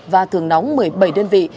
và thường nóng một mươi bảy đơn vị